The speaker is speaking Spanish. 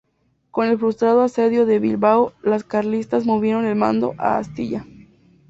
Con el frustrado Asedio de Bilbao los carlistas movieron el mando a Astilla.